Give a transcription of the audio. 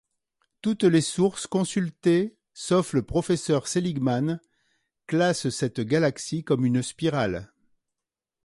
Toutes les sources consultées, sauf le professeur Seligman, classent cette galaxie comme une spirale.